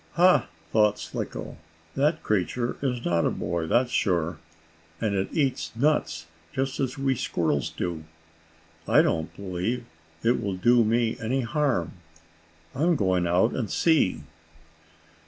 "Ha!" thought Slicko. "That creature is not a boy, that's sure! And it eats nuts just as we squirrels do. I don't believe it will do me any harm. I'm going out to see."